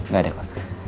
gak ada kok